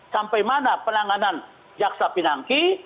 sampai mana penanganan jaksa pinangki